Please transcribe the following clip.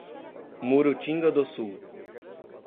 Murutinga do Sul